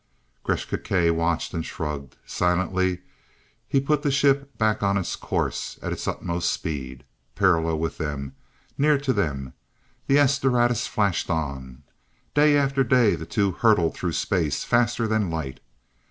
Gresth Gkae watched, and shrugged. Silently he put the ship back on its course, at its utmost speed. Parallel with them, near to them, the "S Doradus" flashed on. Day after day, the two hurled through space faster than light.